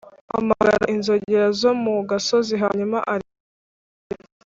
hamagara, inzogera zo mu gasozi, hanyuma areke apfe.